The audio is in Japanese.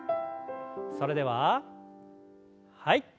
それでははい。